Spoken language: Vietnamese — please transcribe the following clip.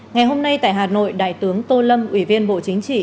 ngày hôm nay tại hà nội đại tướng tô lâm ủy viên bộ chính trị